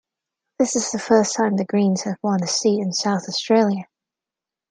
This is the first time The Greens have won a seat in South Australia.